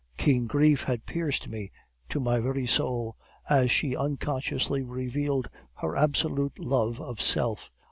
Keen grief had pierced me to my very soul, as she unconsciously revealed her absolute love of self.